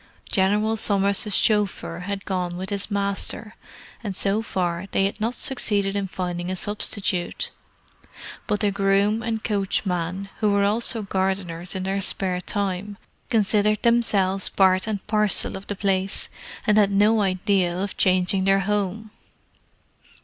General Somers' chauffeur had gone with his master, and so far they had not succeeded in finding a substitute, but the groom and coachman, who were also gardeners in their spare time, considered themselves part and parcel of the place, and had no idea of changing their home.